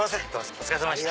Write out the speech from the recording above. お疲れさまでした。